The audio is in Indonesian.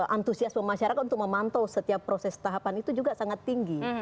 antusiasme masyarakat untuk memantau setiap proses tahapan itu juga sangat tinggi